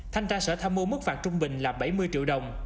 thanh tra sở tham mưu mức phạt trung bình là bảy mươi triệu đồng